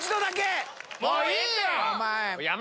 もういいよ！